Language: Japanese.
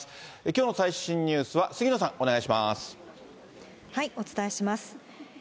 きょうの最新ニュースは、杉野さん、お願いお伝えします。